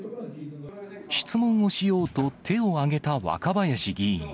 質問をしようと、手を挙げた若林議員。